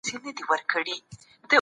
زېربناوي د اقتصاد ظرفیت لوړوي.